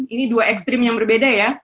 ini dua ekstrim yang berbeda ya